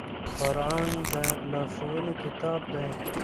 قرآن د لارښوونې کتاب دی